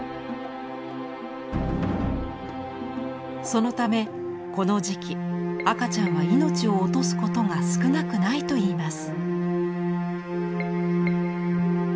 そのためこの時期赤ちゃんは命を落とすことが少なくないといいます。